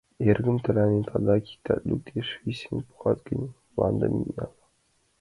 — Эргым, тыланет адакат иктаж лукеш висен пуат гын, мландым ит нал.